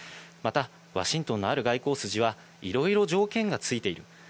またワシントンのある外交筋はいろいろ条件がついている。